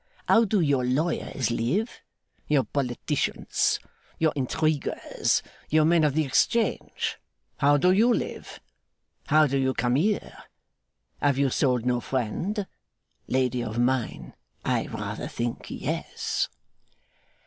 How do your lawyers live, your politicians, your intriguers, your men of the Exchange? How do you live? How do you come here? Have you sold no friend? Lady of mine! I rather think, yes!